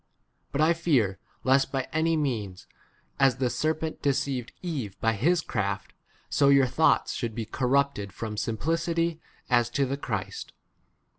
But I fear lest by any means, as the serpent deceived Eve by his craft, so your thoughts should be corrupted from simpli 4 city h as to the Christ.